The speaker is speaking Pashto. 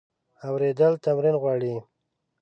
اورېدل تمرین غواړي.